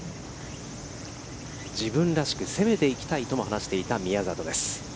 自分らしく攻めていきたいとも話していた宮里です。